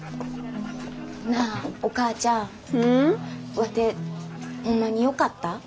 ワテホンマによかった？